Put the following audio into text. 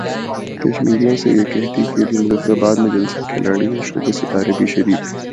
کشمیریوں سے یکجہتی کیلئے مظفر اباد میں جلسہ کھلاڑی اور شوبز ستارے بھی شریک